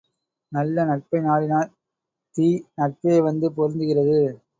நல்ல நட்பைநாடினால் தீ நட்பேவந்து பொருந்துகிறது.